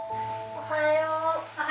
おはよう。